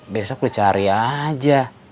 besok lu cari aja